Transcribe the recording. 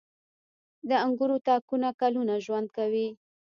• د انګورو تاکونه کلونه ژوند کوي.